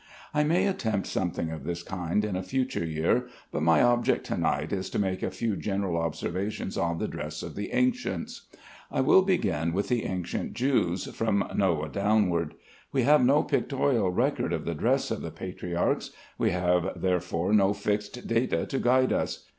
I may attempt something of this kind in a future year, but my object to night is to make a few general observations on the dress of the ancients. I will begin with the ancient Jews, from Noah downward. We have no pictorial record of the dress of the patriarchs; we have therefore no fixed data to guide us.